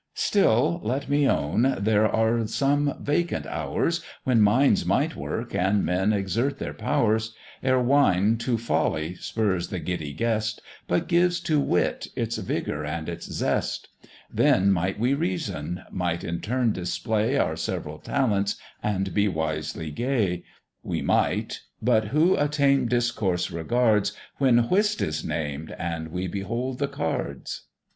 Still, let me own, there are some vacant hours, When minds might work, and men exert their powers: Ere wine to folly spurs the giddy guest, But gives to wit its vigour and its zest; Then might we reason, might in turn display Our several talents, and be wisely gay; We might but who a tame discourse regards, When Whist is named, and we behold the Cards?